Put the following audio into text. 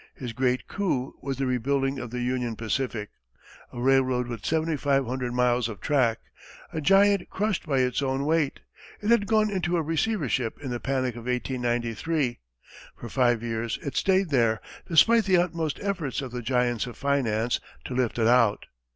His great coup was the rebuilding of the Union Pacific. A railroad with 7,500 miles of track, a giant crushed by its own weight, it had gone into a receivership in the panic of 1893. For five years it stayed there, despite the utmost efforts of the giants of finance to lift it out.